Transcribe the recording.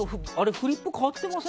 フリップ変わってません？